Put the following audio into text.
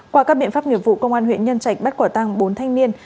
qua các biện pháp nghiệp vụ công an huyện nhân trạch bắt quả tăng bốn thanh niên